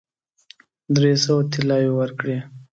درې سوه طلاوي ورکړې.